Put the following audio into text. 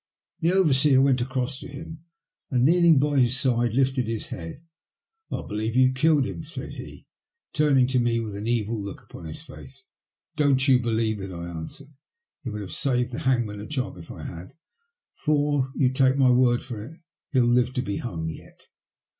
The over seer went across to him, and kneeling by his side, lifted his head. *' I believe you've killed him," said he, turning to me with an evil look upon his face. "Don't you believe it," I answered. "It would have saved the hangman a J9b if I had, for, you take my word for it, he'll live to be hung yet."